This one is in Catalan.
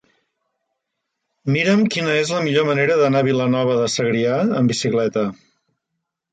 Mira'm quina és la millor manera d'anar a Vilanova de Segrià amb bicicleta.